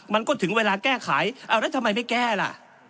มันก็ถึงเวลาแก้ไขเอาแล้วทำไมไม่แก้ล่ะ